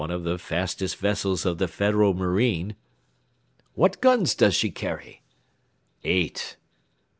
"One of the fastest vessels of the Federal marine." "What guns does she carry?" "Eight."